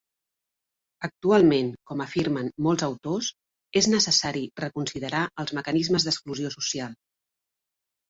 Actualment, com afirmen molts autors, és necessari reconsiderar els mecanismes d'exclusió social.